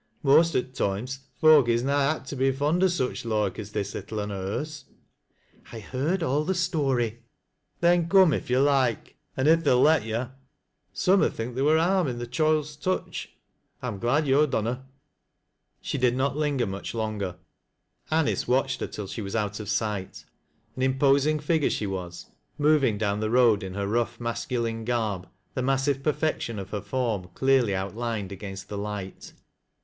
Most o' toimr* folk is na apt to be fond o' ancJ bike aa this little un o' hers " OUTSIDE TEE HEDOE. 51 "H.^'irdallthestory." " Then come if yo' loike, — an' if they'll lei yOj 3ome lid think there wur harm i' th' choild's touch. I'm glad )'o' dunna." She did not linger much longer. Anice watched her till she was out of siglit. An imposing figure she was — moving down the road in her rough masculine garb — th( massive perfection of her form clearly outlined against the light.